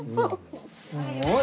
すごい。